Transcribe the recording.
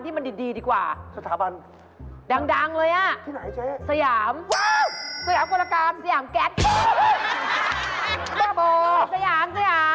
คนเลือกอยากเป็นนักร้องนักร้องเป็นเล่น